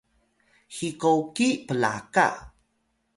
hikoki plaka